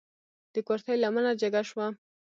د کورتۍ لمنه جګه شوه.